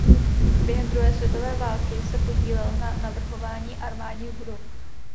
Během druhé světové války se podílel na navrhování armádních budov.